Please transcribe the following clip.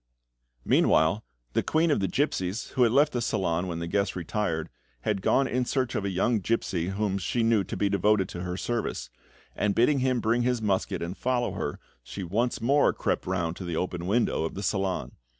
Meanwhile, the queen of the gipsies, who had left the salon when the guests retired, had gone in search of a young gipsy whom she knew to be devoted to her service, and bidding him bring his musket and follow her, she once more crept round to the open window of the salon.